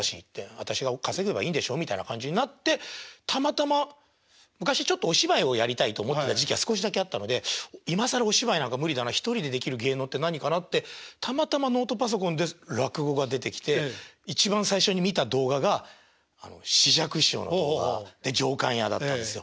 私が稼げばいいんでしょみたいな感じになってたまたま昔ちょっとお芝居をやりたいと思ってた時期が少しだけあったので今更お芝居なんか無理だな１人でできる芸能って何かなってたまたまノートパソコンで落語が出てきて一番最初に見た動画が枝雀師匠の動画で「上燗屋」だったんですよ。